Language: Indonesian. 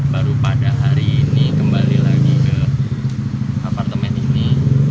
baru pada hari ini kembali lagi ke apartemen ini